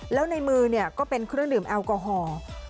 แล้วในมือก็เป็นเครื่องดื่มแอลกอฮอล์